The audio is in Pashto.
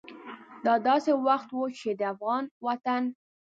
دا داسې وخت و چې د افغان وطن